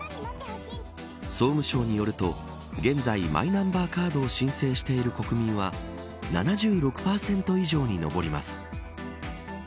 総務省によると現在マイナンバーカードを申請している国民は７６％以上にのぼります。